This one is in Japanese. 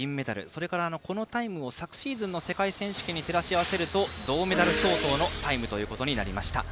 それからこのタイムを昨シーズンの世界選手権に照らし合わせると銅メダル相当のタイムということになりました。